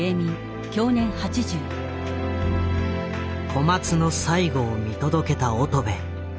小松の最期を見届けた乙部。